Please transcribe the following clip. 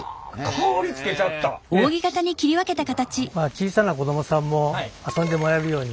小さな子どもさんも遊んでもらえるように。